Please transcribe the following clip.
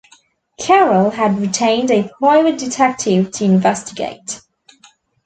Carroll had retained a private detective to investigate.